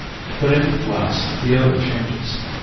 But in the Flats the odor changes.